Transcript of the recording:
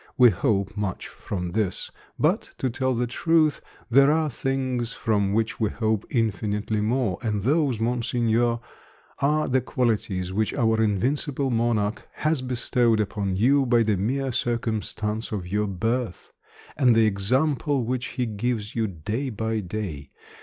We hope much from this; but, to tell the truth, there are things from which we hope infinitely more, and those, Monseigneur, are the qualities which our invincible monarch has bestowed upon you by the mere circumstance of your birth, and the example which he gives you day by day.